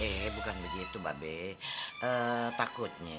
eh bukan begitu babi takutnya